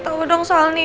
mau sama aaron ya